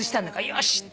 よし！